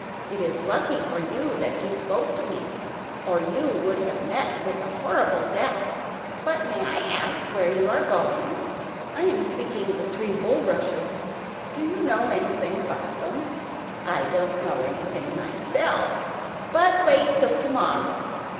"It is lucky for you that you spoke to me or you would have met with a horrible death. But may I ask where are you going?" "I am seeking the three bulrushes. Do you know anything about them?" "I don't know anything myself, but wait till to morrow.